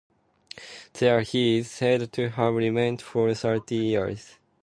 There he is said to have remained for thirty years.